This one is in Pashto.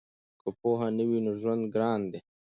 که پوهه نه وي نو ژوند ګران دی.